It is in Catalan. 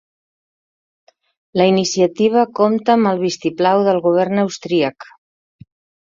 La iniciativa compta amb el vistiplau del govern austríac